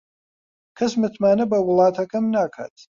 کەس متمانە بە وڵاتەکەم ناکات.